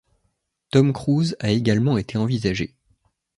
Tom Cruise a également été envisagé.